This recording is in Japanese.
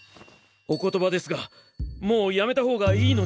お言葉ですがもうやめた方がいいのでは。